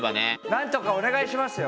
なんとかお願いしますよ。